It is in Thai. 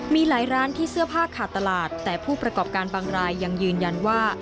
มีหลายร้านที่เสื้อผ้าขาดตลาดแต่ผู้ประกอบการบางรายยังยืนยันว่า